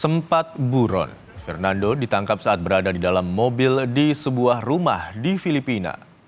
sempat buron fernando ditangkap saat berada di dalam mobil di sebuah rumah di filipina